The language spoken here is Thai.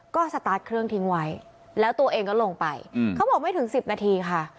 ก็สตาร์ทเครื่องทิ้งไว้แล้วตัวเองก็ลงไปเขาบอกไม่ถึง๑๐นาทีค่ะ